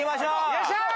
よっしゃー！